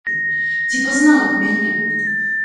Ці пазнала б мяне?